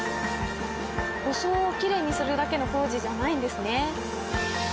装をきれいにするだけの工事じゃないんですね。